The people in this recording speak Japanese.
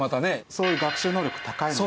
そういう学習能力高いので。